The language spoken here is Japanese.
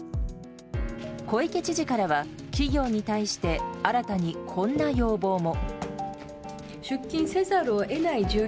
小池知事からは企業に対して新たに、こんな要望も。